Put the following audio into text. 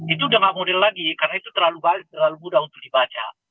itu udah nggak model lagi karena itu terlalu mudah untuk dibaca